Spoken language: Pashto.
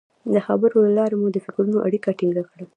د خبرو له لارې مو د فکرونو اړیکه ټینګه کړه.